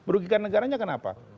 merugikan negaranya kenapa